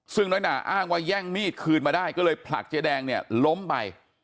ซึ่งน้อยหนาอ้างว่าแย่งมีดคืนมาได้ก็เลยผลักเจ๊แดงเนี่ยล้มไป